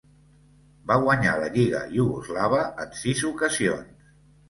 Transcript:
Va guanyar la lliga iugoslava en sis ocasions.